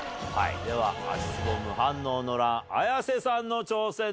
では足つぼ無反応の乱綾瀬さんの挑戦です。